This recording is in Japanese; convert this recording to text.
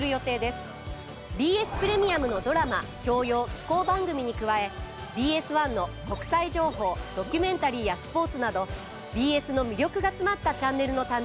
ＢＳプレミアムのドラマ教養紀行番組に加えＢＳ１の国際情報ドキュメンタリーやスポーツなどＢＳの魅力が詰まったチャンネルの誕生です。